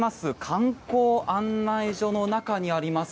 観光案内所の中にあります